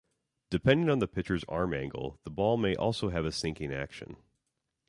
Depending on the pitcher's arm angle, the ball may also have a sinking action.